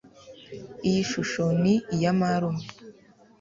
Iyi shusho ni ya marume